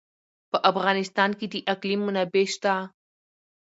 په افغانستان کې د اقلیم منابع شته.